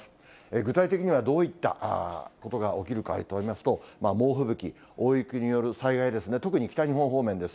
具体的にはどういったことが起きるかといいますと、猛吹雪、大雪による災害ですね、特に北日本方面です。